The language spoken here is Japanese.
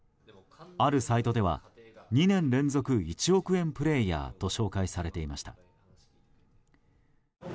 あるサイトでは２年連続１億円プレーヤーと紹介されていました。